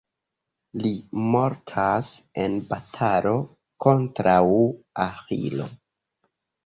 Li mortas en batalo kontraŭ Aĥilo.